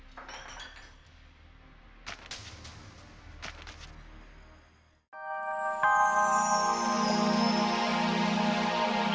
biar seperti negara